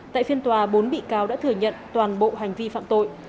tại phiên tòa bốn bị cáo đã thừa nhận toàn bộ hành vi phạm tội